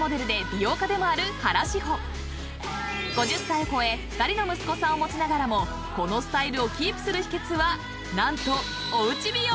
［５０歳を超え２人の息子さんを持ちながらもこのスタイルをキープする秘訣は何と］